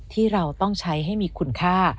ที่เราต้องใช้ให้มีคุณค่า